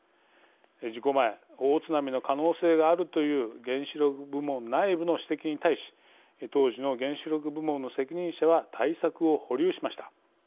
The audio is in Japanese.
事故前大津波の可能性があるという原子力部門内部の指摘に対し当時の原子力部門の責任者は対策を保留しました。